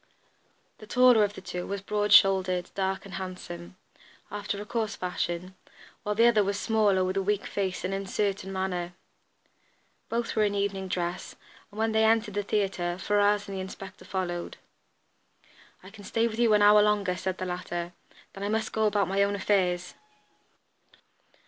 The taller of the two was broad shouldered, dark and handsome, after a coarse fashion, while the other was smaller, with a weak face and uncertain manner. Both were in evening dress, and when they entered the theatre Ferrars and the inspector followed. "I can stay with you an hour longer," said the latter. "Then I must go about my own affairs."